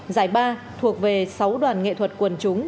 giải ba thuộc về sáu đoàn nghệ thuật quần chúng